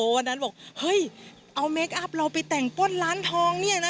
วันนั้นบอกเฮ้ยเอาเมคอัพเราไปแต่งป้นร้านทองเนี่ยนะ